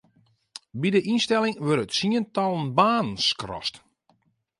By de ynstelling wurde tsientallen banen skrast.